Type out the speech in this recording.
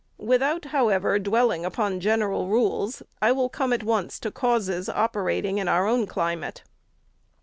Without, however, dwelling upon general rules, I will come at once to causes operating in our own climate.